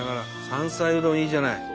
山菜うどんいいじゃない！